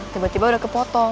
tiba tiba udah kepotong